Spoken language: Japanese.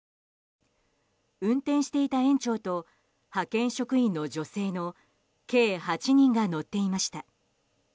運転していた園長と派遣職員の女性の計８人が乗っていました。